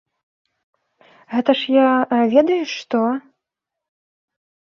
Гэта ж я, ведаеш што?